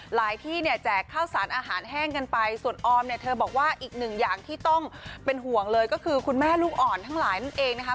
ที่เนี่ยแจกข้าวสารอาหารแห้งกันไปส่วนออมเนี่ยเธอบอกว่าอีกหนึ่งอย่างที่ต้องเป็นห่วงเลยก็คือคุณแม่ลูกอ่อนทั้งหลายนั่นเองนะคะ